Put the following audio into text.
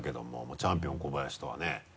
チャンピオン小林とはね。